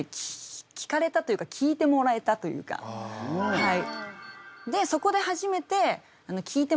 はい。